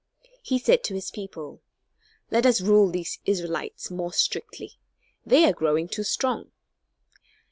He said to his people: "Let us rule these Israelites more strictly. They are growing too strong."